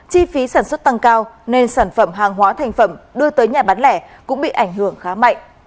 chi phí sản xuất tăng cao nên sản phẩm hàng hóa thành phẩm đưa tới nhà bán lẻ cũng bị ảnh hưởng khá mạnh